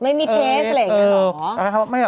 ไม่มีเทสอะไรอย่างนี้หรอ